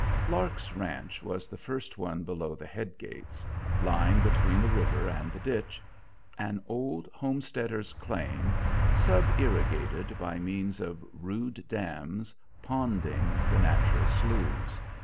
Lark's ranch was the first one below the head gates, lying between the river and the ditch, an old homesteader's claim, sub irrigated by means of rude dams ponding the natural sloughs.